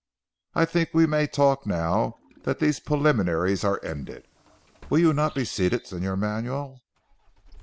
"I think we may talk now that these preliminaries are ended. Will you not be seated Señor Manuel."